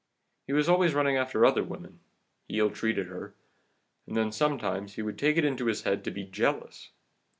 He was always running after other women, he ill treated her, and then sometimes he would take it into his head to be jealous.